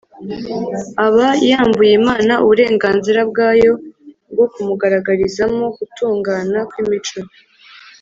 aba yambuye imana uburenganzira bwayo bwo kumugaragarizamo gutungana kw’imico